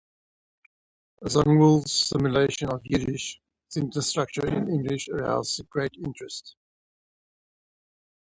Zangwill's simulation of Yiddish sentence structure in English aroused great interest.